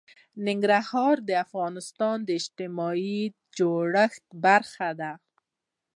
ننګرهار د افغانستان د اجتماعي جوړښت برخه ده.